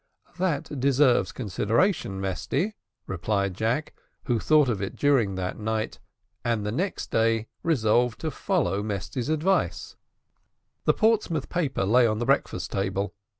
"That deserves consideration, Mesty," replied Jack, who thought of it during that night; and the next day resolved to follow Mesty's advice. The Portsmouth paper lay on the breakfast table.